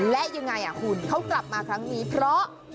และยังไงคุณเขากลับมาครั้งนี้เพราะ